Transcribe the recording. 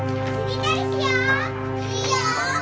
いいよ！